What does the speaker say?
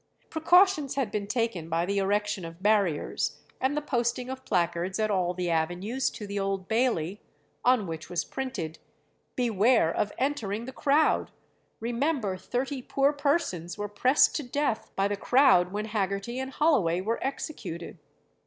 Precautions had been taken by the erection of barriers, and the posting of placards at all the avenues to the Old Bailey, on which was printed, "Beware of entering the crowd! Remember thirty poor persons were pressed to death by the crowd when Haggerty and Holloway were executed!"